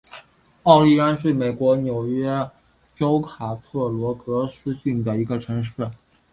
奥利安是美国纽约州卡特罗格斯郡的一个城市。